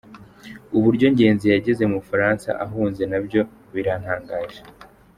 Uburyo Ngenzi yageze mu Bufaransa ahunze na byo biratangaje.